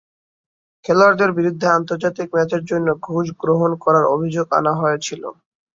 খেলোয়াড়দের বিরুদ্ধে আন্তর্জাতিক ম্যাচের জন্য ঘুষ গ্রহণ করার অভিযোগ আনা হয়েছিল।